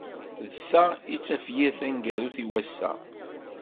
D ta i d tafyirt taneggarut i wass-a.